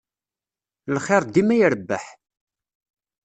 Lxir dima irebbeḥ.